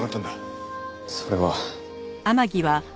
それは。